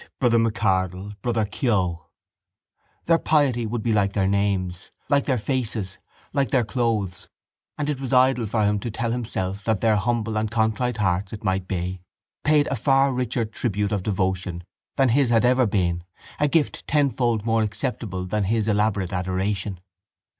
Brother MacArdle. Brother Keogh.— Their piety would be like their names, like their faces, like their clothes, and it was idle for him to tell himself that their humble and contrite hearts, it might be, paid a far richer tribute of devotion than his had ever been, a gift tenfold more acceptable than his elaborate adoration.